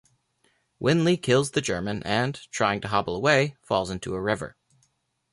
Winley kills the German and, trying to hobble away, falls into a river.